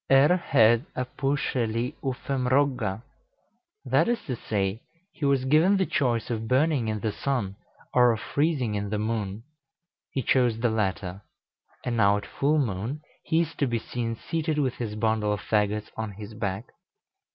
Er hed a püscheli uffem rogga." That is to say, he was given the choice of burning in the sun, or of freezing in the moon; he chose the latter; and now at full moon he is to be seen seated with his bundle of fagots on his back.